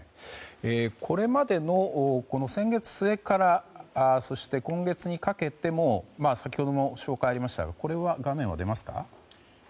これまでの、先月末からそして、今月にかけても先ほど紹介もありましたがこれは画面は出ますか？